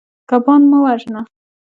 کبان مه وژنه.